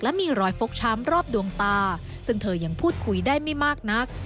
มีรอยฟกช้ำรอบดวงตาซึ่งเธอยังพูดคุยได้ไม่มากนัก